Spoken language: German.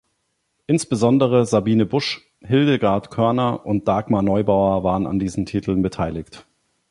Insbesondere Sabine Busch, Hildegard Körner und Dagmar Neubauer waren an diesen Titeln beteiligt.